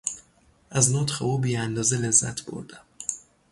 از نطق او بی اندازه لذت بردم.